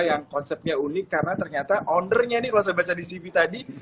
yang konsepnya unik karena ternyata ownernya nih kalau saya baca di cv tadi